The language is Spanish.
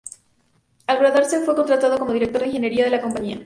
Al graduarse, fue contratado como director de ingeniería de la compañía.